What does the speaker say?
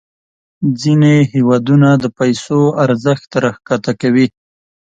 ځینې هیوادونه د پیسو ارزښت راښکته کوي.